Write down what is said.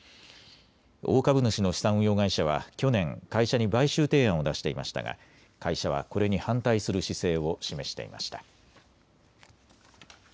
大株主の資産運用会社は去年、会社に買収提案を出していましたが会社はこれに反対する姿勢を示していました。